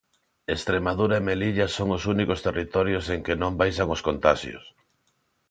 Estremadura e Melilla son os únicos territorios en que non baixan os contaxios.